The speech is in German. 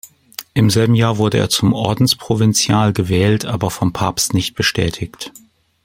Im selben Jahr wurde er zum Ordensprovinzial gewählt, aber vom Papst nicht bestätigt.